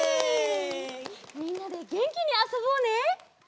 みんなでげんきにあそぼうね！